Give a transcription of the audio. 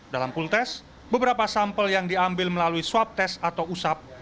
dalam pultes beberapa sampel yang diambil melalui swab test atau usap